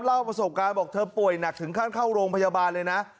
เล่าประสบการณ์บอกเธอป่วยหนักถึงขั้นเข้าโรงพยาบาลเลยนะ